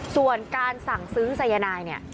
ส่วนการสั่งซื้อสายนายเนี่ย